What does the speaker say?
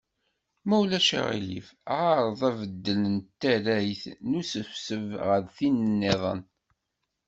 Ma ulac aɣilif, ɛreḍ abeddel n tarrayt n usesteb ɣer tin-nniḍen.